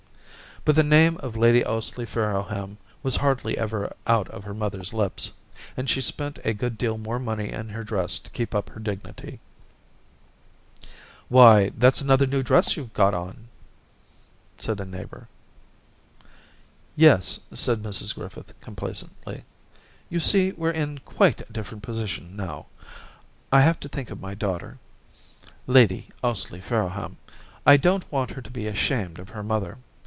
... But the name of Lady Ously Farrowham was hardly ever out of her mother's lips ; and she spent a good deal more money in her dress to keep up her dignity. i^ 266 Orientations ' Why, that's another new dress you've go on !* said a neighbour. ' Yes/ said Mrs Grififith, complacently, * you see we're in quite a difforent position how. I have to think of my daughter, Lady Ously Farrowham. I don't want her to be ashamed of her mother.